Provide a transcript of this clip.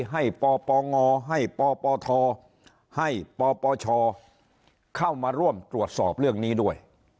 ให้ปปงให้ปปทให้ปปชเข้ามาร่วมตรวจสอบเรื่องนี้ด้วย